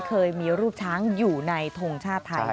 เคยมีรูปช้างอยู่ในทงชาติไทย